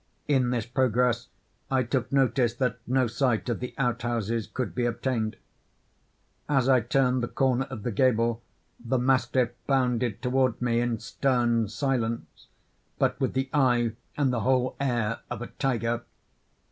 In this progress, I took notice that no sight of the out houses could be obtained. As I turned the corner of the gable, the mastiff bounded towards me in stern silence, but with the eye and the whole air of a tiger.